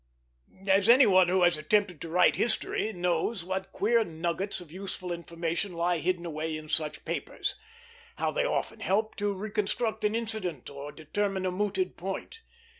Any one who has attempted to write history knows what queer nuggets of useful information lie hidden away in such papers; how they often help to reconstruct an incident, or determine a mooted point.